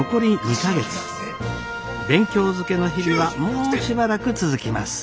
勉強漬けの日々はもうしばらく続きます。